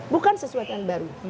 bukan sesuatu yang baru